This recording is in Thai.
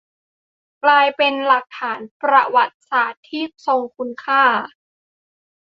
กลายเป็นหลักฐานประวัติศาสตร์ที่ทรงคุณค่า